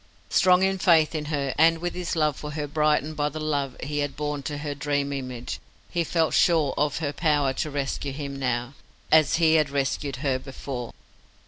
Strong in his faith in her, and with his love for her brightened by the love he had borne to her dream image, he felt sure of her power to rescue him now, as he had rescued her before.